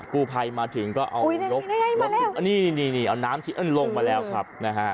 กู้ภัยมาถึงก็เอาน้ำลงมาแล้วครับ